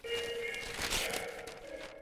山门两侧筑有石狮。